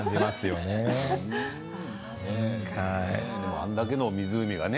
あれだけの湖がね